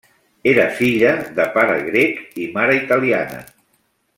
Era filla de pare grec i mare italiana.